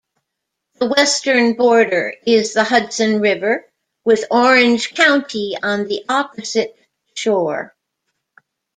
The western border is the Hudson River, with Orange County on the opposite shore.